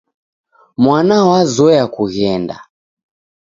Mwana wazoya kughenda.